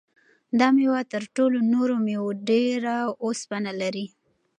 دا مېوه تر ټولو نورو مېوو ډېر اوسپنه لري.